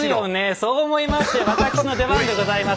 そう思いまして私の出番でございます。